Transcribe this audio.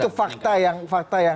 itu fakta yang harus kita sadari